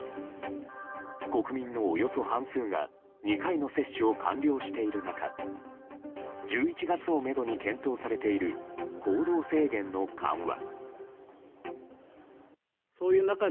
国民のおよそ半数が２回の接種を完了している中１１月をめどに検討されている行動制限の緩和。